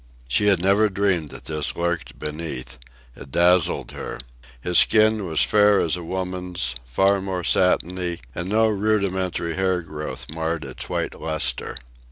She had never dreamed that this lurked beneath. It dazzled her. His skin was fair as a woman's, far more satiny, and no rudimentary hair growth marred its white lustre.